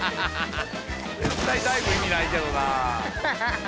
絶対ダイブ意味ないけどな。